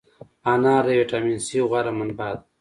انار د ویټامین C غوره منبع ده.